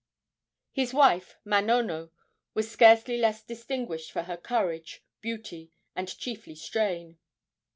His wife, Manono, was scarcely less distinguished for her courage, beauty and chiefly strain.